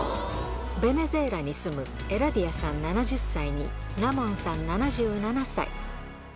ベネズエラに住むエラディアさん７０歳に、ラモンさん７７歳。